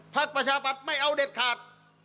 ประชาบัติไม่เอาเด็ดขาด